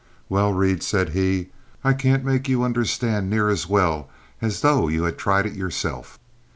"Well, Reed," said he, "I can't make you understand near as well as though you had tried it yourself.